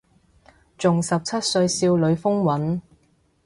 仲十七歲少女風韻